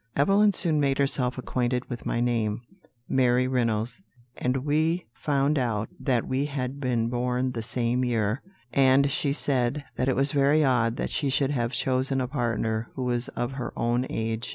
"Evelyn soon made herself acquainted with my name Mary Reynolds and we found out that we had been born the same year; and she said that it was very odd that she should have chosen a partner who was of her own age.